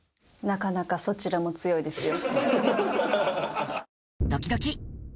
なかなか、そちらも強いですよ。